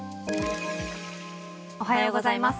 おはようございます。